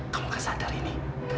kamu gak sadar ini